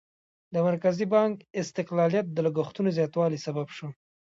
د مرکزي بانک استقلالیت د لګښتونو زیاتوالي سبب شو.